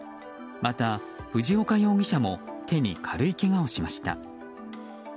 またフジオカ容疑者も手に軽いけがをしました。